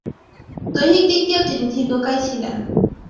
দৈহিক দিক দিয়েও তিনি দীর্ঘকায় ছিলেন।